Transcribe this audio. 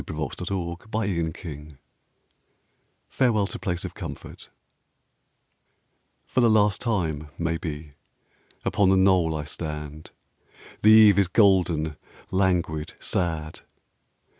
FAREWELL TO PLACE OF COMFORT FAREWELL TO PLACE OF COMFORT For the last time, maybe, upon the knoll I stand. The eve is golden, languid, sad....